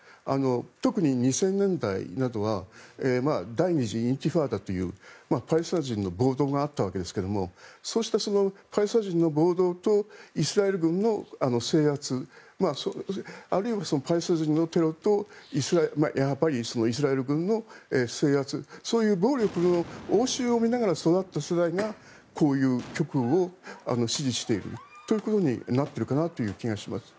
特に２０００年代などは第２次インティファーダというパレスチナ人の暴動があったわけですがそうしたパレスチナ人の暴動とイスラエル軍の制圧あるいはパレスチナ人のテロとイスラエル軍の制圧そういう暴力の応酬を見ながら育った世代がこういう極右を支持しているということになっているかなという気がします。